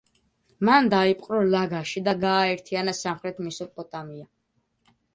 მან დაიპყრო ლაგაში და გააერთიანა სამხრეთ მესოპოტამია.